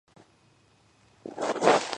გავრცელებულია აღმოსავლეთ აფრიკაში.